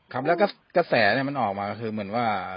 ครับแล้วก็กระแสออกมาเหมือนว่า